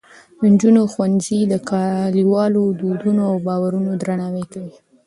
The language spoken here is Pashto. د نجونو ښوونځي د کلیوالو دودونو او باورونو درناوی کوي.